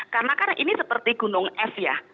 karena ini seperti gunung es ya